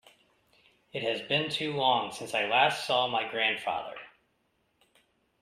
It has been too long since I last saw my grandfather.